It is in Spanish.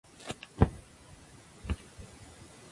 Habita en Guyana, Venezuela, y posiblemente Brasil.